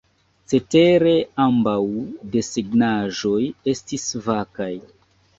Cetere ambaŭ desegnaĵoj estis vakaj.